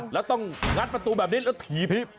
แล้วต้องงัดประตูแบบนี้แล้วถี่พีบ